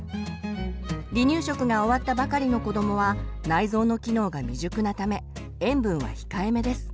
離乳食が終わったばかりの子どもは内臓の機能が未熟なため塩分は控えめです。